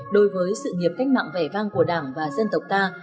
đối với sự nghiệp cách mạng vẻ vang của đảng và dân tộc ta